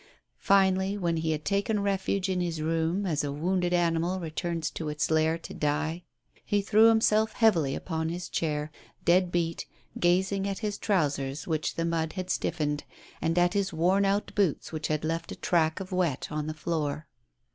Finally, when he had taken refuge in his room, as a wounded animal returns to its lair to die, he threw himself heavily upon his chair, deadbeat, gazing at his trousers which the mud had stiffened, and at his worn out boots which had left a track of wet on the floor.